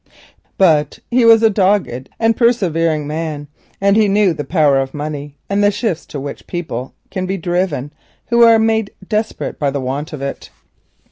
But he was a dogged and persevering man; he knew the power of money and the shifts to which people can be driven who are made desperate by the want of it.